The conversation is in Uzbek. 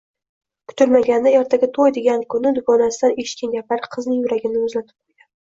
Kutilmaganda, Ertaga to`y degan kuni dugonasidan eshitgan gaplari qizning yuragini muzlatib qo`yadi